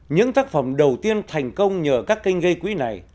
những tác phẩm đầu tiên thành công nhờ các kênh gây quỹ này